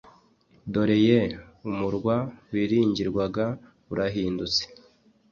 dore ye, umurwa wiringirwaga urahindutse